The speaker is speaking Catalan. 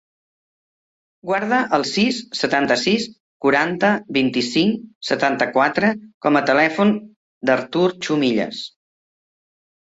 Guarda el sis, setanta-sis, quaranta, vint-i-cinc, setanta-quatre com a telèfon de l'Artur Chumillas.